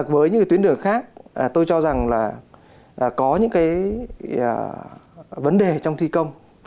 với những cái tuyến đường khác tôi cho rằng là có những cái vấn đề trong thi công